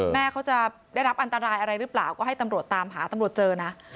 แม่เขาจะได้รับอันตรายอะไรหรือเปล่าก็ให้ตำรวจตามหาตำรวจเจอนะ